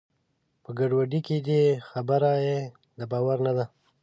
په ګډوډۍ کې دی؛ خبره یې د باور نه ده.